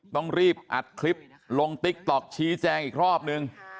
ต้องรีบอัดคลิปลงติ๊กต๊อกชี้แจงอีกรอบนึง